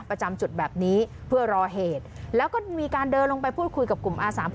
ประจำจุดแบบนี้เพื่อรอเหตุแล้วก็มีการเดินลงไปพูดคุยกับกลุ่มอาสา